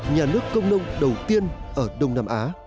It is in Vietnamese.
nhà nước công nông đầu tiên ở đông nam á